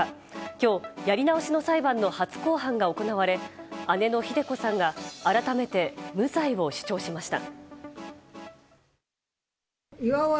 今日、やり直しの裁判の初公判が行われ姉のひで子さんが改めて無罪を主張しました。